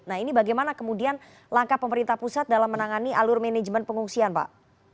nah ini bagaimana kemudian langkah pemerintah pusat dalam menangani alur manajemen pengungsian pak